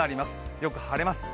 よく晴れます。